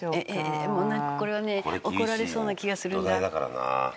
もうなんかこれはね怒られそうな気がするんだ。